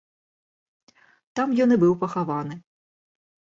Там ён і быў пахаваны.